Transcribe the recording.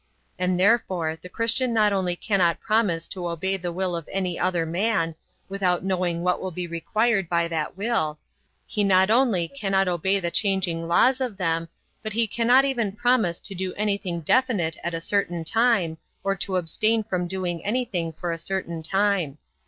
And therefore the Christian not only cannot promise to obey the will of any other man, without knowing what will be required by that will; he not only cannot obey the changing laws of man, but he cannot even promise to do anything definite at a certain time, or to abstain from doing anything for a certain time.